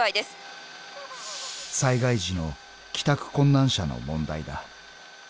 ［災害時の帰宅困難者の問題だ］